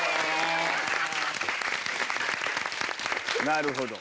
なるほど。